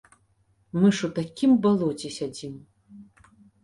Мы ж у такім балоце сядзім.